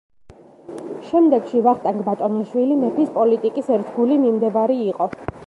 შემდეგში ვახტანგ ბატონიშვილი მეფის პოლიტიკის ერთგული მიმდევარი იყო.